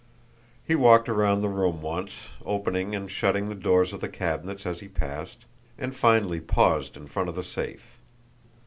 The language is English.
He walked around the room once, opening and shutting the doors of the cabinets as he passed, and finally paused in front of the safe.